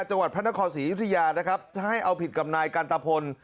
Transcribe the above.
จังหวัดพระนครศรียุธยานะครับจะให้เอาผิดกับนายกันตะพล